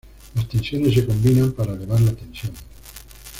Las tensiones se combinan para elevar la tensión.